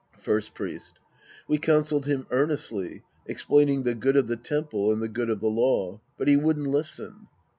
First Priest. We counseled him earnestly, explain ing the good of the temple and the good of the law. But he wouldn't listen.